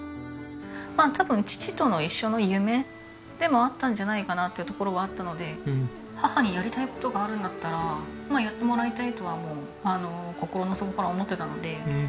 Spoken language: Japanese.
まあ多分父との一緒の夢でもあったんじゃないかなというところはあったので母にやりたい事があるんだったらやってもらいたいとは心の底から思ってたので。